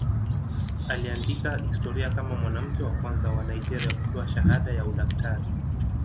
Aliandika historia kama mwanamke wa kwanza wa Nigeria kupewa shahada ya udaktari.